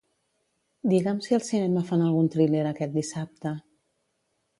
Digue'm si al cinema fan algun thriller aquest dissabte.